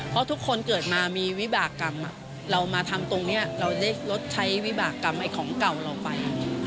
เพราะทุกคนเกิดมามีวิบากรรมเรามาทำตรงนี้เราได้ลดใช้วิบากรรมของเก่าเราไป